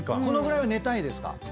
このぐらいは寝たいですか？